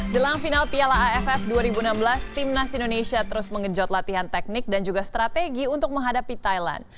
jelang final piala aff dua ribu enam belas timnas indonesia terus mengejot latihan teknik dan juga strategi untuk menghadapi thailand